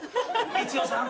「光代さん？